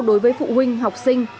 đối với phụ huynh học sinh